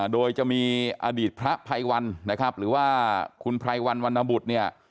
โดยจะมีอดีตพระไพวนค์หรือว่าคุณไพวร์รวัณบุรณ์